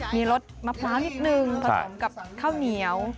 มีรสมะพร้าวนิดนึงผสมกับข้าวเหนียว